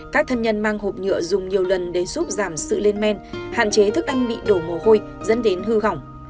các thân nhân mang hộp nhựa dùng nhiều lần để giúp giảm sự lên men hạn chế thức ăn bị đổ mồ hôi dẫn đến hư hỏng